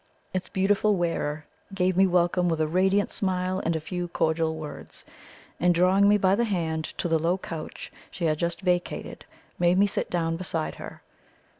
Its beautiful wearer gave me welcome with a radiant smile and a few cordial words, and drawing me by the hand to the low couch she had just vacated, made me sit down beside her.